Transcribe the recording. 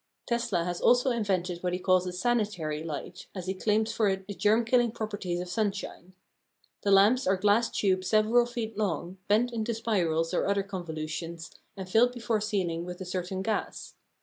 Tesla has also invented what he calls a "sanitary" light, as he claims for it the germ killing properties of sunshine. The lamps are glass tubes several feet long, bent into spirals or other convolutions, and filled before sealing with a certain gas.